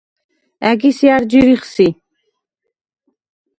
ა̈გის ჲა̈რ ჯირიხ სი?